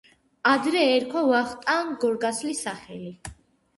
ადრე ერქვა ვახტანგ გორგასლის სახელი.